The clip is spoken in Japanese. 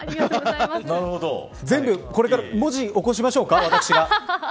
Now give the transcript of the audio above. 全部これから文字に起こしましょうか、私が。